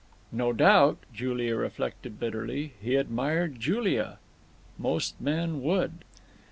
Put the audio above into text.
No doubt, Juliet reflected bitterly, he admired Julia. Most men would.